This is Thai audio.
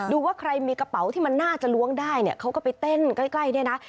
ว่าใครมีกระเป๋าที่มันน่าจะล้วงได้เนี่ยเขาก็ไปเต้นใกล้เนี่ยนะ